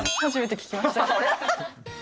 いや、初めて聞きました。